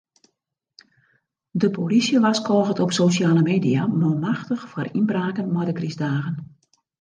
De polysje warskôget op sosjale media manmachtich foar ynbraken mei de krystdagen.